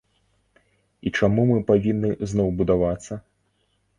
І чаму мы павінны зноў будавацца?